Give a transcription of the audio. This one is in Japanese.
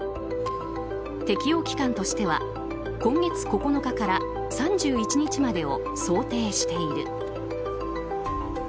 適用期間としては今月９日から３１日までを想定している。